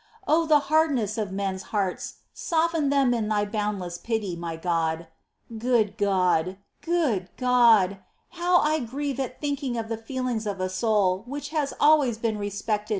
Oh the hardness of men's hearts ! Soften them in Thy boundless pity, m}^ God ! 6. " Good God ! Good God ! how I grieve at thinking of the feelings of a soul which has always been respected ^ St. John xi.